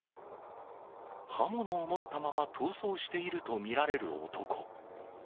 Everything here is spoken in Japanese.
刃物を持ったまま逃走していると見られる男。